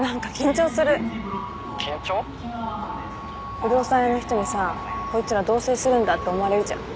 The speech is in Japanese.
不動産屋の人にさ「こいつら同棲するんだ」って思われるじゃん。